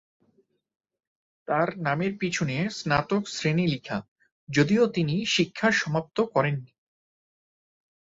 তার নামের পিছনে স্নাতক শ্রেণী লিখা যদিও তিনি শিক্ষা সমাপ্ত করেননি।